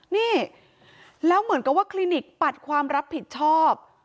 นี่แล้วเหมือนกับว่าคลินิกปัดความรับผิดชอบ